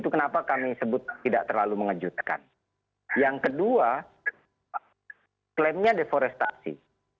yang kedua klaimnya deforestasi